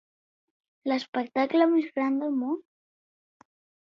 L'espectacle més gran del món.